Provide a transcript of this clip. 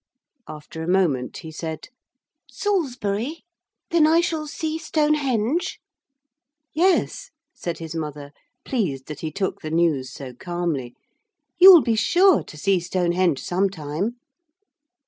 After a moment he said, 'Salisbury? Then I shall see Stonehenge?' 'Yes,' said his mother, pleased that he took the news so calmly, 'you will be sure to see Stonehenge some time.'